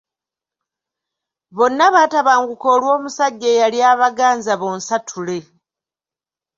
Bonna baatabanguka olw’omusajja eyali abaganza bonsatule.